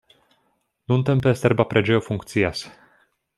Nuntempe serba preĝejo funkcias.